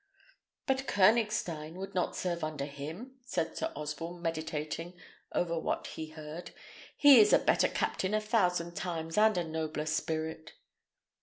"But Koënigstein would not serve under him," said Sir Osborne, meditating over what he heard. "He is a better captain a thousand times, and a nobler spirit."